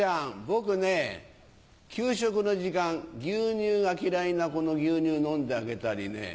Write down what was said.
僕ね給食の時間牛乳が嫌いな子の牛乳飲んであげたりね